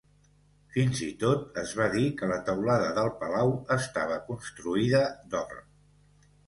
Fins i tot es va dir que la teulada del palau estava construïda d'or.